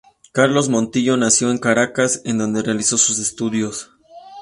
Carlos Montilla nació en Caracas, en donde realizó sus estudios.